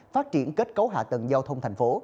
phát triển kết cấu hạ tầng giao thông thành phố